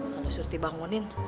kalau surti bangunin